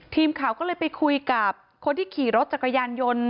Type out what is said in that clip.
ทีมข่าวก็เลยไปคุยกับคนที่ขี่รถจักรยานยนต์